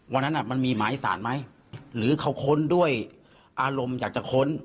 มันมีหมายสารไหมหรือเขาค้นด้วยอารมณ์อยากจะค้น